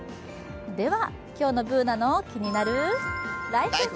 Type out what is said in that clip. では、今日の「ＢｏｏｎａのキニナルＬＩＦＥ」。